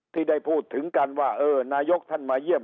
ที่ได้พูดถึงกันว่าเออนายกท่านมาเยี่ยม